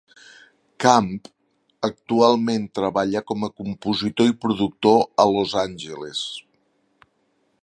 Camp actualment treballa com a compositor i productor a Los Angeles.